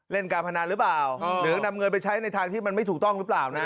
การพนันหรือเปล่าหรือนำเงินไปใช้ในทางที่มันไม่ถูกต้องหรือเปล่านะ